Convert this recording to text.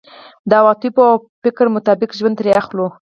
د عواطفو او فکر مطابق ژوند ترې اخلو.